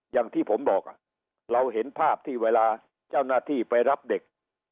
อย่างที่ผมบอกเราเห็นภาพที่เวลาเจ้าหน้าที่ไปรับเด็ก